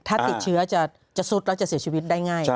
ถ้าติดเชื้อจะสุดแล้วจะเสียชีวิตได้ง่าย